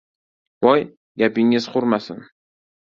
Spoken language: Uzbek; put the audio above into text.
— Voy, gapingiz qurmasin!